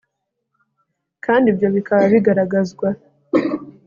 kandi ibyo bikaba bigaragazwa